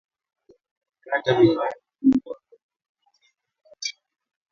kata vipande vikubwa kwa kutumia kisu kikali